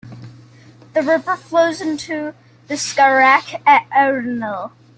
The river flows into the Skagerrak at Arendal.